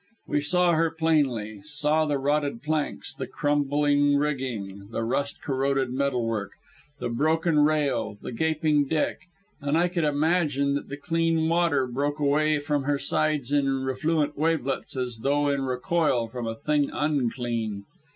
We saw her plainly saw the rotted planks, the crumbling rigging, the rust corroded metal work, the broken rail, the gaping deck, and I could imagine that the clean water broke away from her sides in refluent wavelets as though in recoil from a thing unclean.